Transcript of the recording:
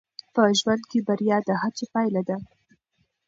په ژوند کې بریا د هڅو پایله ده.